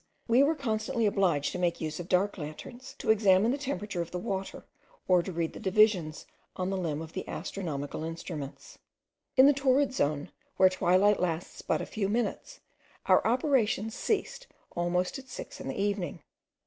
We were constantly obliged to make use of dark lanterns to examine the temperature of the water, or to read the divisions on the limb of the astronomical instruments. In the torrid zone, where twilight lasts but a few minutes, our operations ceased almost at six in the evening.